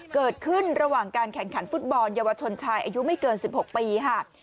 เกิดขึ้นระหว่างการแข่งขันฟุตบอลเยาวชนชายอายุไม่เกิน๑๖ปีค่ะ